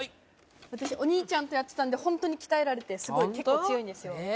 私お兄ちゃんとやってたんでホントに鍛えられて結構強いんですよ